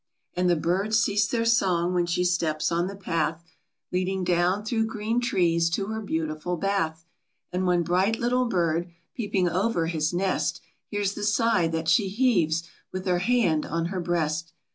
54 QUEEN DISCONTENT. And the birds cease their song when she steps on the path Leading down through green trees to her beautiful bath ; And one bright little bird, peeping over his nest, Hears the sigh that she heaves, with her hand on her breast.